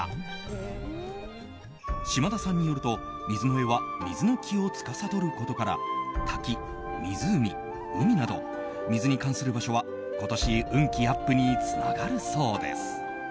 島田さんによると壬は水の気をつかさどることから滝、湖、海など水に関する場所は今年運気アップにつながるそうです。